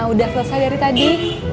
udah selesai dari tadi